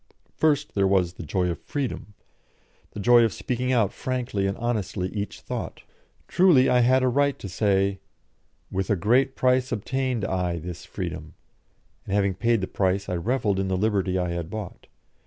First, there was the joy of freedom, the joy of speaking out frankly and honestly each thought. Truly, I had a right to say: "With a great price obtained I this freedom," and having paid the price, I revelled in the liberty I had bought.